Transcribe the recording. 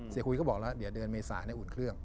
เสียคุยก็บอกแล้วเดือนเมษาในอุ่นเครื่อง